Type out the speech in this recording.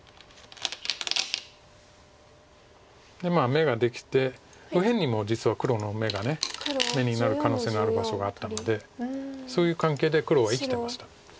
眼ができて右辺にも実は黒の眼が眼になる可能性のある場所があったのでそういう関係で黒は生きてました。